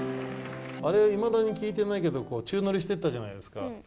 あれ、いまだに聞いてないけど、宙乗りしていったじゃないですか。